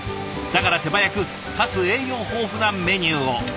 だから手早くかつ栄養豊富なメニューを。